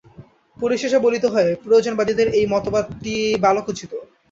পরিশেষে বলিতে হয়, প্রয়োজনবাদীদের এই মতবাদটি বালকোচিত।